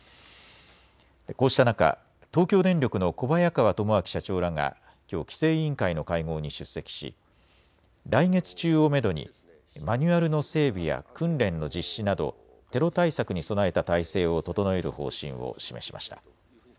こうした中、東京電力の小早川智明社長らがきょう規制委員会の会合に出席し来月中をめどにマニュアルの整備や訓練の実施などテロ対策に備えた体制を整える方針を示しました。